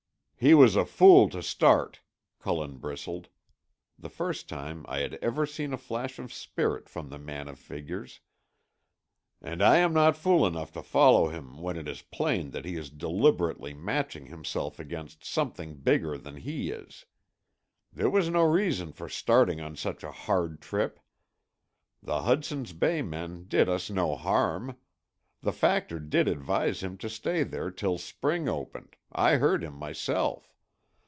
"He was a fool to start," Cullen bristled; the first time I had ever seen a flash of spirit from the man of figures, "and I am not fool enough to follow him when it is plain that he is deliberately matching himself against something bigger than he is. There was no reason for starting on such a hard trip. The Hudson's Bay men did us no harm. The factor did advise him to stay there till spring opened—I heard him, myself.